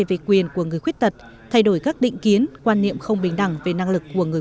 về quyền của người khuyết tật thay đổi các định kiến quan niệm không bình đẳng về năng lực của người